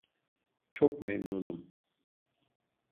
Çok memnunum.